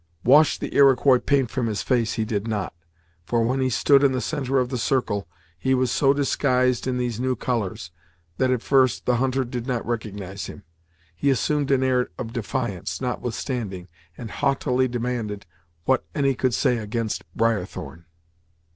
"Wash the Iroquois paint from his face," he did not, for when he stood in the centre of the circle, he was so disguised in these new colours, that at first, the hunter did not recognise him. He assumed an air of defiance, notwithstanding, and haughtily demanded what any could say against "Briarthorn."